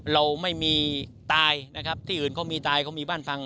เราไม่มีตายนะครับที่อื่นเขามีตายเขามีบ้านฟัง